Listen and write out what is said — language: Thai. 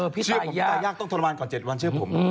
พี่ตายยากต้องทัวรมันต่อ๗วันเชื่อผม